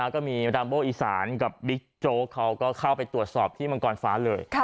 ก็มีรามโบอีสานกับบิ๊กโจ๊กเขาก็เข้าไปตรวจสอบที่มังกรฟ้าเลย